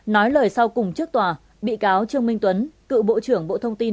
nói lời sau cùng trước tòa bị cáo trương minh tuấn cựu bộ trưởng bộ thông tin